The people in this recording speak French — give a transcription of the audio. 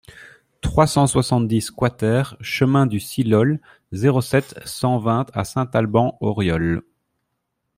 trois cent soixante-dix QUATER chemin du Silhol, zéro sept, cent vingt à Saint-Alban-Auriolles